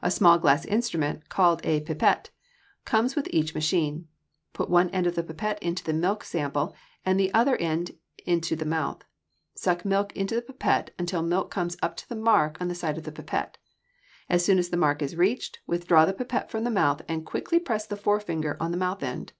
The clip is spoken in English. A small glass instrument, called a pipette, comes with each machine. Put one end of the pipette into the milk sample and the other end into the mouth. Suck milk into the pipette until the milk comes up to the mark on the side of the pipette. As soon as the mark is reached, withdraw the pipette from the mouth and quickly press the forefinger on the mouth end.